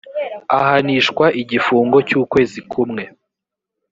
ahanishwa igifungo cy’ukwezi kumwe